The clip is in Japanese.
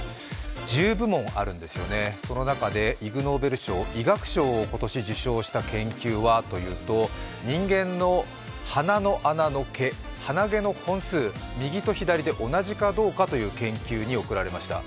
１０部門あるんですが、その中で今年受賞した研究はというと人間の鼻の穴の毛、鼻毛の本数右と左で同じかどうかという研究に贈られました。